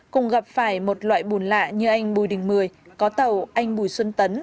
cùng gặp phải một loại bùn lạ như anh bùi đình mười có tàu anh bùi xuân tấn